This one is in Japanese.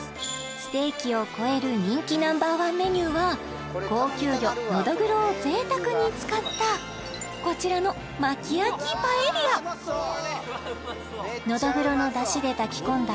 ステーキを超える人気Ｎｏ．１メニューは高級魚ノドグロをぜいたくに使ったこちらの薪焼きパエリアノドグロの出汁で炊き込んだ